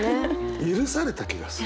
許された気がする。